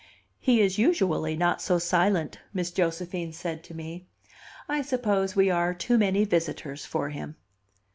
"He is usually not so silent," Miss Josephine said to me. "I suppose we are too many visitors for him."